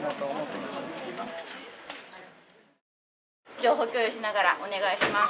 情報共有しながらお願いします。